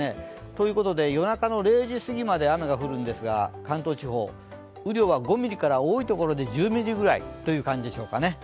ということで夜中の０時すぎまで雨が降るんですが関東地方、雨量は５ミリから多い所は１０ミリぐらいという感じでしょうかね。